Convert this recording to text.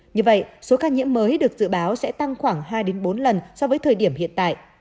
như vậy số ca nhiễm mới được dự báo sẽ tăng khoảng hai bốn lần so với thời điểm hiện tại